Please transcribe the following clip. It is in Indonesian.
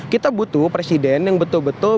kita butuh presiden yang betul betul